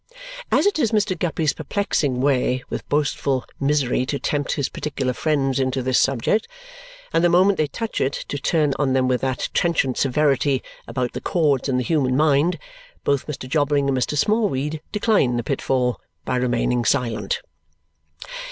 As it is Mr. Guppy's perplexing way with boastful misery to tempt his particular friends into this subject, and the moment they touch it, to turn on them with that trenchant severity about the chords in the human mind, both Mr. Jobling and Mr. Smallweed decline the pitfall by remaining silent.